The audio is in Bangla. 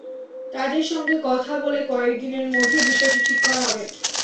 তাঁদের সঙ্গে কথা বলে কয়েক দিনের মধ্যে বিষয়টি ঠিক করা হবে।